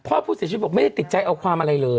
พ่อผู้เสียชีวิตบอกไม่ได้ติดใจเอาความอะไรเลย